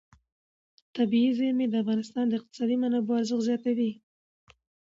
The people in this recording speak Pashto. طبیعي زیرمې د افغانستان د اقتصادي منابعو ارزښت زیاتوي.